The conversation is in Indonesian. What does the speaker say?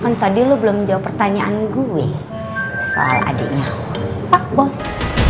kan tadi lu belum menjawab pertanyaan gue soal adiknya pak bos